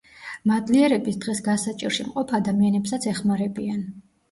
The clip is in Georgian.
მადლიერების დღეს გასაჭირში მყოფ ადამიანებსაც ეხმარებიან.